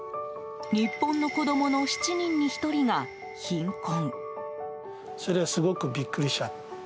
日本の子供の７人に１人が貧困。